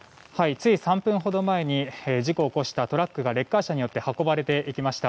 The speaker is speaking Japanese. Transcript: つい３分ほど前に事故を起こしたトラックがレッカー車によって運ばれていきました。